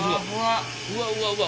うわうわうわ！